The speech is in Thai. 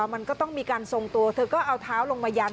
มันก็ต้องมีการทรงตัวเธอก็เอาเท้าลงมายัน